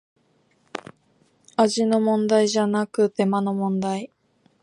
味の問題じゃなく手間の問題